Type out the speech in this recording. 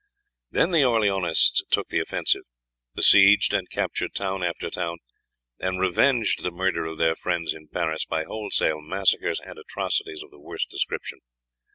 Then the Orleanists took the offensive, besieged and captured town after town, and revenged the murder of their friends in Paris by wholesale massacres and atrocities of the worst description.